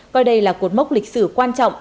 coi đây là cột mốc lịch sử quan trọng